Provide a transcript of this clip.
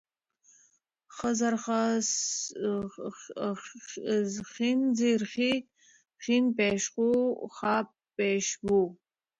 ښ زر ښا، ښېن زير ښې ، ښين پيښ ښو ، ښا ښې ښو